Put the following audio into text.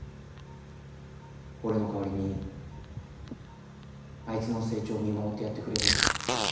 俺の代わりにあいつの成長見守ってやってくれないか？